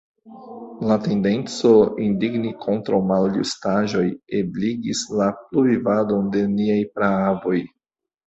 La tendenco indigni kontraŭ maljustaĵoj ebligis la pluvivadon de niaj praavoj.